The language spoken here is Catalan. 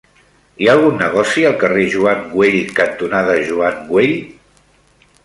Hi ha algun negoci al carrer Joan Güell cantonada Joan Güell?